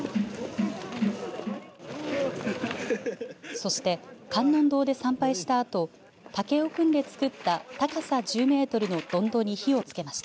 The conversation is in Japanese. そして、観音堂で参拝したあと竹を組んで作った高さ１０メートルのどんどに火をつけました。